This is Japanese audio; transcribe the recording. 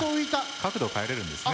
角度を変えれるんですね。